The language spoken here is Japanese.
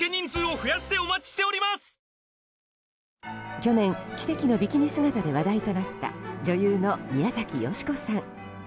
去年、奇跡のビキニ姿で話題になった女優の宮崎美子さん。